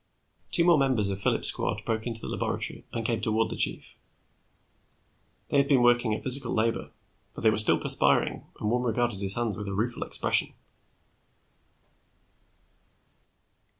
'"Two more members of Phillips' squad broke into the laboratory and came toward the chief. They had been working at physical labor, for they were still perspiring and one regarded his hands with a rueful expression.